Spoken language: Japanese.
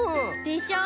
でしょ？